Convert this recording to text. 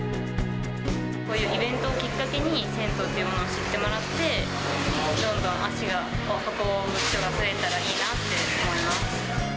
こういうイベントをきっかけに、銭湯というものを知ってもらって、どんどん足がここに向く人が増えたらいいなって思います。